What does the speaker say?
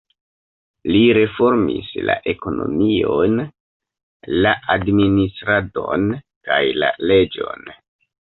Li reformis la ekonomion, la administradon kaj la leĝon.